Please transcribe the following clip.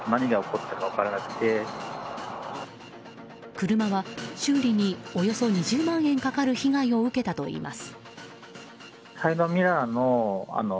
車は、修理におよそ２０万円かかる被害を受けたといいます。